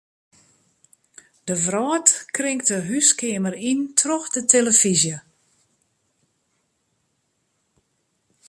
De wrâld kringt de húskeamer yn troch de telefyzje.